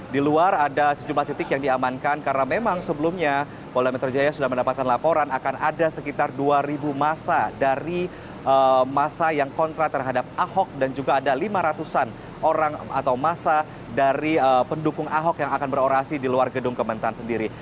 di luar ada sejumlah titik yang diamankan karena memang sebelumnya polda metro jaya sudah mendapatkan laporan akan ada sekitar dua masa dari masa yang kontra terhadap ahok dan juga ada lima ratus an orang atau masa dari pendukung ahok yang akan berorasi di luar gedung kementan sendiri